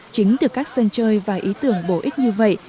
chính từ các sân chơi và ý tưởng bổ ích như vậy